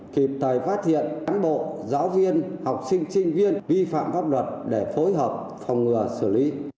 kịp thời phát hiện cán bộ giáo viên học sinh sinh viên vi phạm pháp luật để phối hợp phòng ngừa xử lý